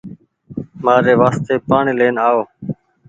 مآري واستي پآڻيٚ لين آئو